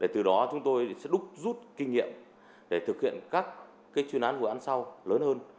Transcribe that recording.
từ đó chúng tôi sẽ rút kinh nghiệm để thực hiện các chuyên án vừa ăn sau lớn hơn